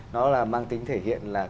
nó mang tính thể hiện là